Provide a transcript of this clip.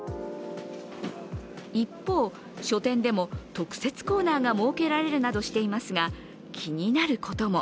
一方、書店でも特設コーナーが設けられるなどしていますが、気になることも。